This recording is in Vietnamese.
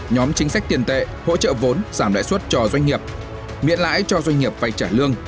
nhóm chính sách tiền tệ hỗ trợ vốn giảm đại suất cho doanh nghiệp miễn lãi cho doanh nghiệp phải trả lương